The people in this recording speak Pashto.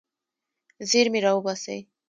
زیرمې راوباسئ.